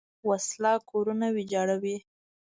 وسله کورونه ویجاړوي